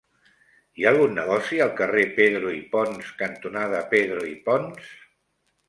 Hi ha algun negoci al carrer Pedro i Pons cantonada Pedro i Pons?